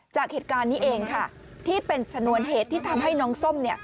จากเหตุการณ์นี้เองค่ะที่เป็นชนวนเหตุที่ทำให้น้องส้ม